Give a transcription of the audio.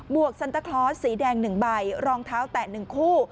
วกซันตาคลอสสีแดง๑ใบรองเท้าแตะ๑คู่